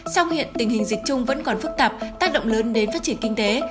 sau hiện tình hình dịch chung vẫn còn phức tạp tác động lớn đến phát triển kinh tế